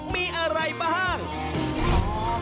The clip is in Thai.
มีอะไรป่าห้าง